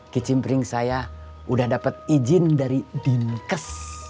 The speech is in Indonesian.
kicimpring saya udah dapat izin dari dinkes